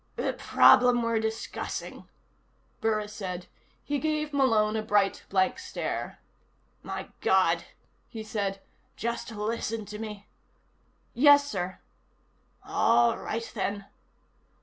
"The problem we're discussing," Burris said. He gave Malone a bright, blank stare. "My God," he said. "Just listen to me." "Yes, sir." "All right, then."